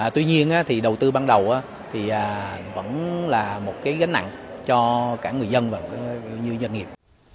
tuy nhiên thì đầu tư ban đầu thì vẫn là một cái gánh nặng cho cả người dân và như doanh nghiệp